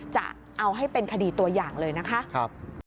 จะเอาให้เป็นคดีตัวอย่างเลยนะคะ